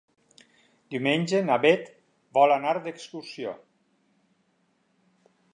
Diumenge na Bet vol anar d'excursió.